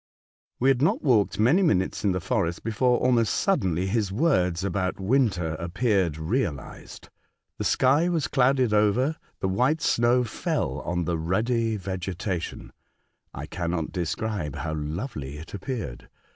We had not walked many minutes in the forest before, almost suddenly, his Avords about winter appeared realised. The sky was clouded over, the white snow fell on the ruddy vegeta A Martian Instructor, 123 tion. I cannot describe liow lovely it appeared.